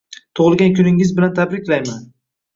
Tug'ilgan kuningiz bilan tabriklayman!